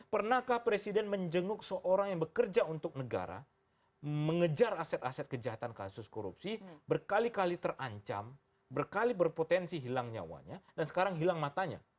pernahkah presiden menjenguk seorang yang bekerja untuk negara mengejar aset aset kejahatan kasus korupsi berkali kali terancam berkali berpotensi hilang nyawanya dan sekarang hilang matanya